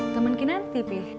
temen kinanti pi